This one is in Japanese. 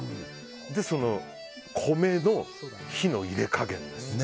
で、米の火の入れ加減ですよ。